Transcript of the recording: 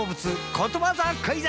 ことわざクイズ！